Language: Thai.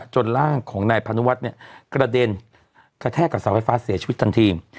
ร่างของนายพานุวัฒน์เนี่ยกระเด็นกระแทกกับเสาไฟฟ้าเสียชีวิตทันที